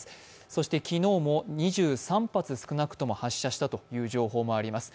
そして昨日も２３発少なくとも発射したという情報もあります。